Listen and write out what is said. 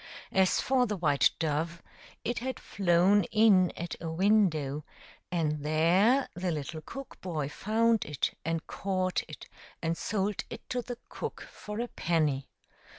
As for the white dove, it had flown in at a window, and there the little cook boy found it, and caught it and sold it to the cook for a penny.